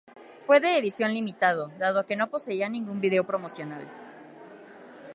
Fue de edición limitado, dado que no poseía ningún video promocional.